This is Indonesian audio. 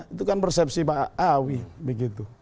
itu kan persepsi pak awi begitu